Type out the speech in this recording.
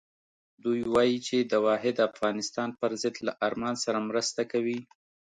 دوی وایي چې د واحد افغانستان پر ضد له ارمان سره مرسته کوي.